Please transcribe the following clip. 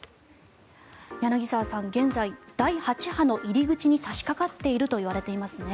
柳澤さん、現在第８波の入り口に差しかかっているといわれていますね。